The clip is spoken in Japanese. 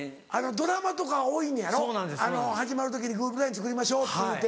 ドラマとか多いのやろ始まる時グループＬＩＮＥ作りましょうっていうて。